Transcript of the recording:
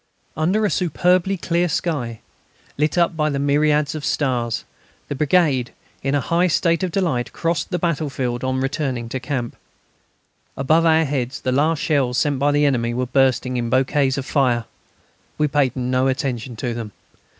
Under a superbly clear sky, lit up by myriads of stars, the brigade, in a high state of delight, crossed the battlefield on returning to camp. Above our heads the last shells sent by the enemy were bursting in bouquets of fire. We paid no attention to them.